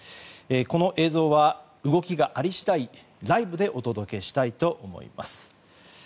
この映像は、動きがあり次第ライブでお届けしたいと思います。